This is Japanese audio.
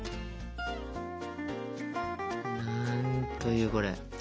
なんというこれ。